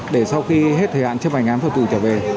để sau khi hết thời hạn chấp hành án phạt tù trở về